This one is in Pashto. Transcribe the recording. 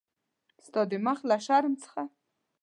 ستا د مخ له شرم څخه.